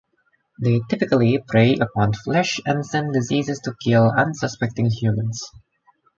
They typically prey upon flesh and send diseases to kill unsuspecting humans.